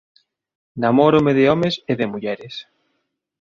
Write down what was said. Namórome de homes e de mulleres.